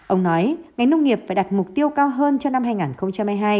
ông nói ngành nông nghiệp phải đặt mục tiêu cao hơn cho năm hai nghìn hai mươi hai